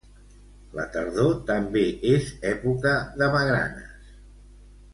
La tardor també és època de magranes.